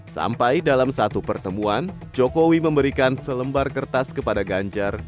sampai dalam satu pertemuan jokowi memberikan selembar kertas kepada ganjar